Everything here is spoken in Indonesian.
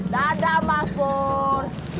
dadah mas pur